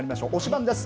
バン！です。